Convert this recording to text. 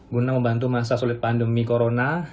guna membantu masa sulit pandemi corona